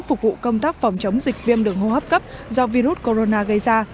phục vụ công tác phòng chống dịch viêm đường hô hấp cấp do virus corona gây ra